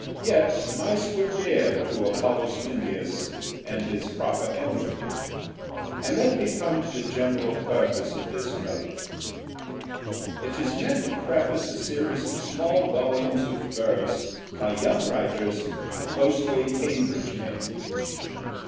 Yet mice were dear to Apollo Smintheus, and his proper emblem): and let me come to the general purpose of this Note. It is meant to preface a series of small volumes of verse by young writers, mostly Cambridge men.